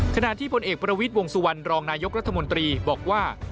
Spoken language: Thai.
ขณะที่พลเอกประวิทย์วงสุวรรณรองนายกรัฐมนตรีบอกว่า